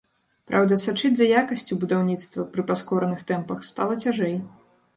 Праўда, сачыць за якасцю будаўніцтва пры паскораных тэмпах стала цяжэй.